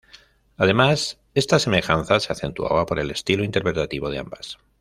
Además, esta semejanza se acentuaba por el estilo interpretativo de ambas.